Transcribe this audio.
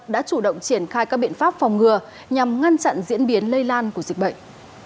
đã chủ động triển khai các biện pháp phòng ngừa nhằm ngăn chặn diễn biến lây lan của dịch bệnh